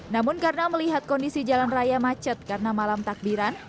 namun karena melihat kondisi jalan raya macet karena malam takbiran